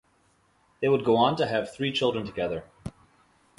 They would go on to have three children together.